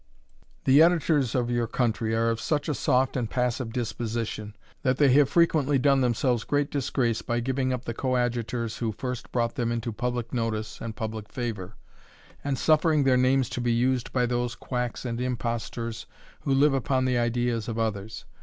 The Editors of your country are of such a soft and passive disposition, that they have frequently done themselves great disgrace by giving up the coadjutors who first brought them into public notice and public favour, and suffering their names to be used by those quacks and impostors who live upon the ideas of others.